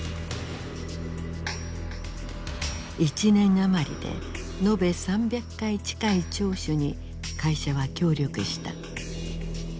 １年余りで延べ３００回近い聴取に会社は協力した。